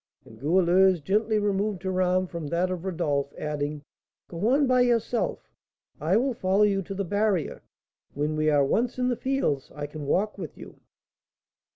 And Goualeuse gently removed her arm from that of Rodolph, adding, "Go on by yourself; I will follow you to the barrier; when we are once in the fields I can walk with you."